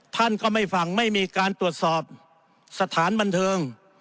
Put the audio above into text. ท่านก็ไม่ฟังไม่มีการตรวจสอบสถานบันเทิง